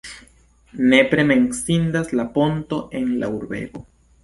Nepre menciindas la ponto en la urbego.